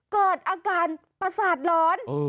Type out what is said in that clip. เกิดอาการประสาทร้อน